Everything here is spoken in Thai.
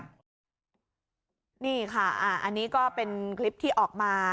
นี่ค่ะอันนี้ก็เป็นคลิปที่ออกมา